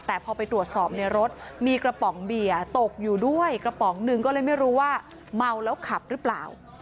แต่พอไปตรวจสอบในรถมีกระป๋องเบียร์ตกอยู่ด้วยกระป๋องหนึ่งก็เลยไม่รู้ว่าเมาแล้วขับหรือเปล่า